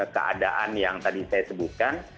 keadaan yang tadi saya sebutkan